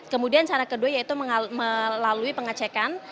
kemudian cara kedua yaitu melalui pengecekan